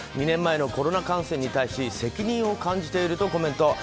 ２年前のコロナ感染に対し責任を感じているとコメント。